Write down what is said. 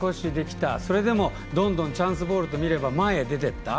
それでもどんどんチャンスボールと見れば前に出ていった。